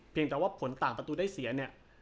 แต่ว่าผลต่างประตูได้เสียเนี่ย